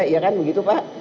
ya kan begitu pak